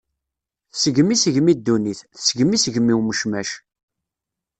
Tesgem isegmi ddunit, tesgem isegmi n umecmac.